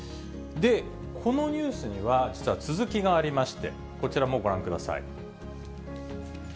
このニュースには、実は続きがありまして、こちらもご覧ください。